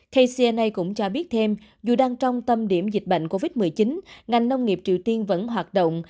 kcna cũng cho biết thêm dù đang trong tâm điểm dịch bệnh covid một mươi chín ngành nông nghiệp triều tiên vẫn hoạt động